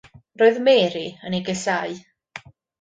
Roedd Mary yn ei gasáu.